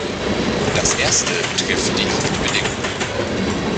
Das erste betrifft die Haftbedingungen.